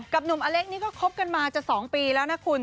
หนุ่มอเล็กนี่ก็คบกันมาจะ๒ปีแล้วนะคุณ